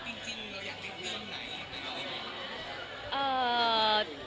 เอ่อถามว่าเรื่องนี้มันก็มีการพูดคุย